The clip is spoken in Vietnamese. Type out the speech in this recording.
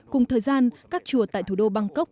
cùng thời gian các chùa tại thủ đô bangkok